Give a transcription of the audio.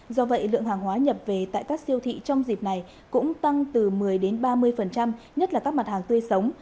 do vậy lượng hàng hóa nhập về tại các siêu thị trong dịp này cũng tăng từ một mươi ba mươi nhất là các mặt hàng tươi sống